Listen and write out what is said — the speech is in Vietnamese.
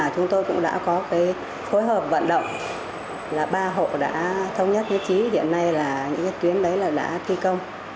phối hợp vận động là ba hộ đã thông nhất với chí hiện nay là những cái tuyến đấy là đã thi công